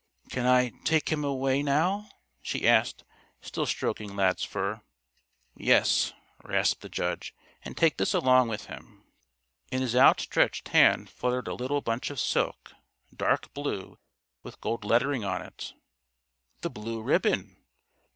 "Can I take him away now?" she asked, still stroking Lad's fur. "Yes," rasped the judge, "and take this along with him." In his outstretched hand fluttered a little bunch of silk dark blue, with gold lettering on it. The blue ribbon!